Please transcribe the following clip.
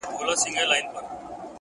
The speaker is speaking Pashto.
پلار ویل زویه دلته نر هغه سړی دی,